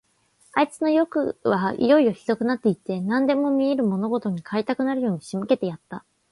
あいつのよくはいよいよひどくなって行って、何でも見るものごとに買いたくなるように仕向けてやった。